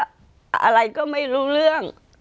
อะไรก็ไม่รู้เรื่อง